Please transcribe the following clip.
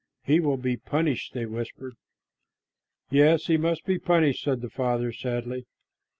"He will be punished," they whispered. "Yes, he must be punished," said the Father sadly.